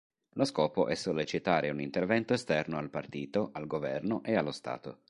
Lo scopo è sollecitare un intervento esterno al partito, al governo e allo Stato.